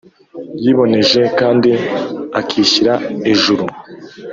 yiboneje kandi akishyira ejuru,